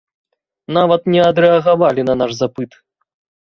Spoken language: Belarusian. Нават не адрэагавалі на наш запыт.